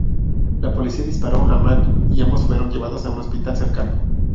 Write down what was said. La policía disparó a Mann y ambos fueron llevados a un hospital cercano.